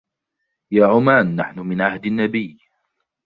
يا عمان نحنُ من عهدِ النبي